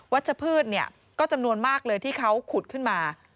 ชัชพืชเนี่ยก็จำนวนมากเลยที่เขาขุดขึ้นมา